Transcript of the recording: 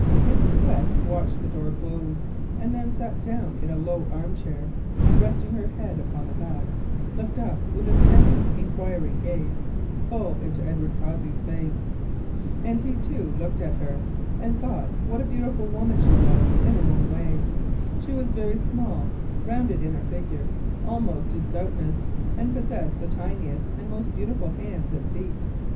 Mrs. Quest watched the door close and then sat down in a low armchair, and resting her head upon the back, looked up with a steady, enquiring gaze, full into Edward Cossey's face. And he too looked at her and thought what a beautiful woman she was, in her own way. She was very small, rounded in her figure almost to stoutness, and possessed the tiniest and most beautiful hands and feet.